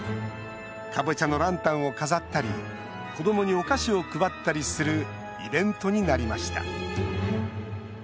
カボチャのランタンを飾ったり子どもにお菓子を配ったりするイベントになりました。